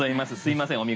すいません。